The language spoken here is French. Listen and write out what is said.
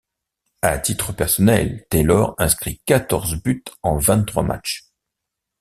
À titre personnel, Taylor inscrit quatorze buts en vingt-trois matchs.